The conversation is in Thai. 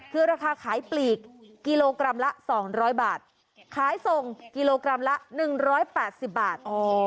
คือราคาขายปลีกกิโลกรัมละ๒๐๐บาทขายส่งกิโลกรัมละ๑๘๐บาท